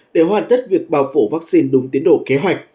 để hoàn tất việc bảo phủ vaccine đúng tiến đổ kế hoạch